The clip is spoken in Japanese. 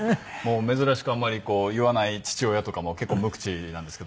珍しくあんまり言わない父親とかも結構無口なんですけど。